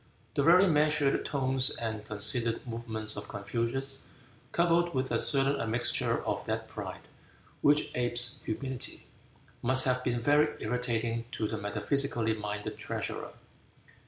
The very measured tones and considered movements of Confucius, coupled with a certain admixture of that pride which apes humility, must have been very irritating to the metaphysically minded treasurer.